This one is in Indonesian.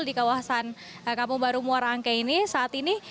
di kawasan kampung baru muara angke ini saat ini